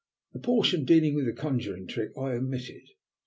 The portion dealing with the conjuring trick I omitted.